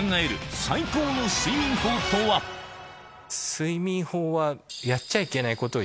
睡眠法は。